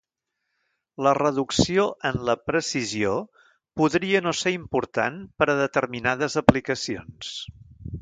La reducció en la "precisió" podria no ser important per a determinades aplicacions.